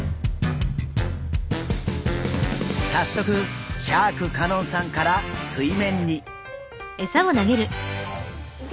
早速シャーク香音さんから水面に。